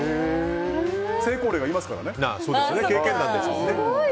成功例がいますからね。